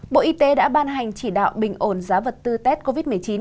bộ y tế đã ban hành chỉ đạo bình ổn giá vật tư tết covid một mươi chín